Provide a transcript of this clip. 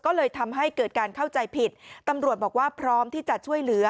ก็เลยทำให้เกิดการเข้าใจผิดตำรวจบอกว่าพร้อมที่จะช่วยเหลือ